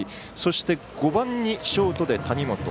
そして、５番にショートで谷本。